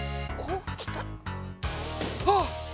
あっ！